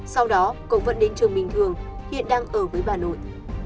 sau đó cậu vẫn đến trường bình thường hiện đang ở với bà nội